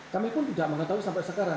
kami pun tidak mengetahui sampai sekarang